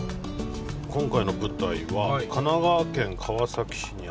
今回の舞台は神奈川県川崎市にある。